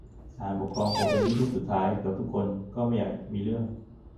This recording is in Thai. ศาลปกครองคงเป็นที่พึ่งสุดท้าย เกือบทุกคนก็ไม่อยากมีเรื่อง